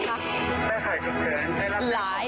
ของท่านได้เสด็จเข้ามาอยู่ในความทรงจำของคน๖๗๐ล้านคนค่ะทุกท่าน